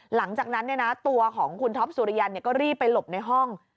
หลังจากนั้นตัวของคุณท็อปสุริยันก็รีบไปหลบในห้อง